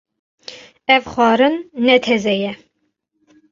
Ev xwarin ne teze ye.